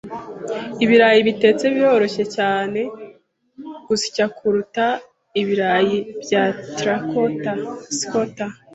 Ibirayi bitetse biroroshye cyane gusya kuruta ibirayi bya terracotta. (Scott)